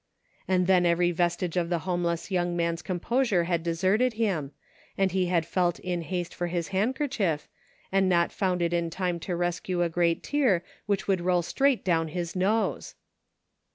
And then every vestige of the homeless young man's composure had deserted him, and he had felt in haste for his handkerchief, and not found it in time to rescue a great tear which would roll straight down his nose